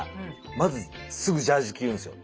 まずすぐジャージ着るんですよ。